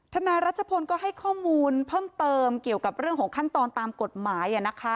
นายรัชพลก็ให้ข้อมูลเพิ่มเติมเกี่ยวกับเรื่องของขั้นตอนตามกฎหมาย